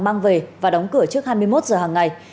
mang về và đóng cửa trước hai mươi một giờ hàng ngày